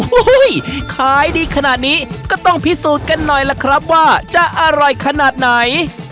โอ้โหขายดีขนาดนี้ก็ต้องพิสูจน์กันหน่อยล่ะครับว่าจะอร่อยขนาดไหน